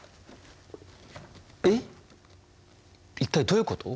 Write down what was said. えっ一体どういうこと？